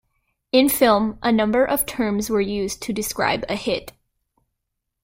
In film, a number of terms were used to describe a hit.